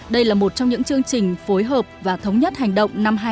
đây là một trong những chương trình phối hợp và thống nhất hành động năm hai nghìn hai mươi